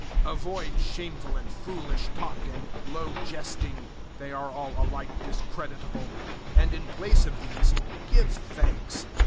005:004 Avoid shameful and foolish talk and low jesting they are all alike discreditable and in place of these give thanks.